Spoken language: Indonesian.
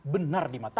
benar di mata mereka